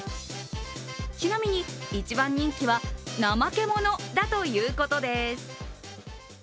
ちなみに、一番人気はナマケモノだということです。